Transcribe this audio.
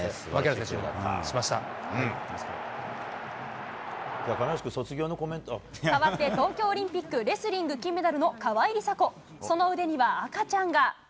じゃあ、亀梨君、卒業のコメ変わって、東京オリンピック、レスリング金メダルの川井梨紗子、その腕には赤ちゃんが。